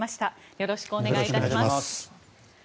よろしくお願いします。